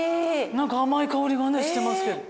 なんか甘い香りがねしてますけど。